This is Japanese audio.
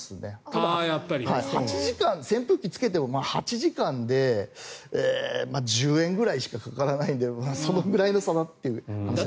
ただ、扇風機をつけても８時間でまあ１０円ぐらいしかかからないのでそのぐらいの差だと思いますけど。